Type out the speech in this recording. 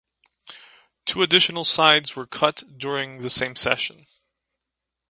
Two additional sides were cut during the same session.